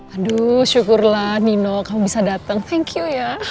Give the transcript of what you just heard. aduh syukurlah nino kamu bisa datang thank you ya